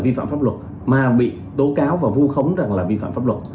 vi phạm pháp luật mà bị tố cáo và vu khống rằng là vi phạm pháp luật